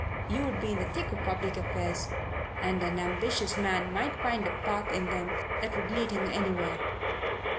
You would be in the thick of public affairs, and an ambitious man might find a path in them that would lead him anywhere.